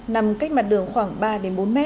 nằm cách mặt đường khoảng ba đến bốn mét